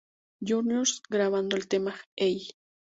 Juniors grabando el tema "Hey!